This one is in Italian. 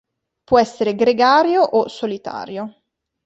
Può essere gregario o solitario.